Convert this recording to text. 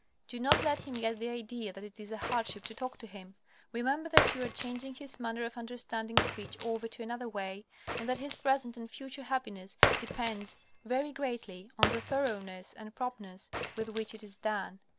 Do not let him get the idea that it is a hardship to talk to him. Remember that you are changing his manner of understanding speech over to another way, and that his present and future happiness depends very greatly on the thoroughness and promptness with which it is done.